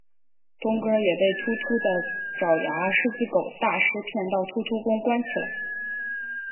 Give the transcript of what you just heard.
冬哥儿也被秃秃的爪牙狮子狗大狮骗到秃秃宫关起来。